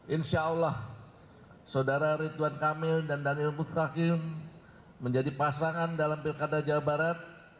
insya allah saudara ridwan kamil dan daniel mutakin menjadi pasangan dalam pilkada jawa barat